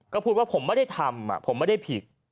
ก็พูดว่าผมไม่ได้ทำผมไม่ได้ผิด